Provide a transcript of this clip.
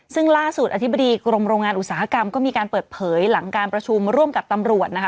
ซึ่งล่าสุดอธิบดีกรมโรงงานอุตสาหกรรมก็มีการเปิดเผยหลังการประชุมร่วมกับตำรวจนะคะ